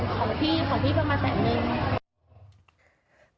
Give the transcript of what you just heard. ของที่ประมาณแสนหนึ่ง